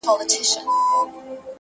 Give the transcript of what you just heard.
ميئن د كلي پر انجونو يمه _